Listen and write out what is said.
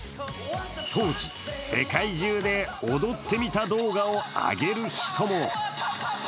当時、世界中で踊ってみた動画を上げる人も。